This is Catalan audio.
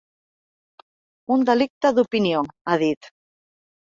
Un delicte d’opinió, ha dit.